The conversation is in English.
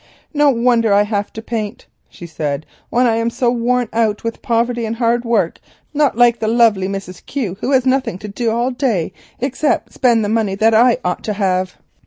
"No wonder I have to paint," she said, "when I am so worn out with poverty and hard work—not like the lovely Mrs. Q., who has nothing to do all day except spend the money that I ought to have.